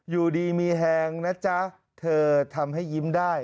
อยู่ดีมีแฮงนะจ๊ะเธอทำให้ยิ้มได้